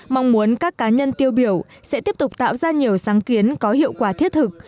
mong muốn các cá nhân tiêu biểu sẽ tiếp tục tạo ra nhiều sáng kiến có hiệu quả thiết thực